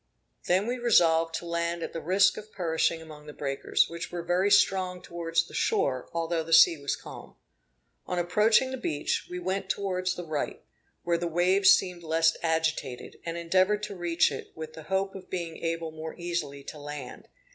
Then we resolved to land at the risk of perishing among the breakers, which were very strong towards the shore, although the sea was calm. On approaching the beach, we went towards the right, where the waves seemed less agitated, and endeavored to reach it, with the hope of being able more easily to land.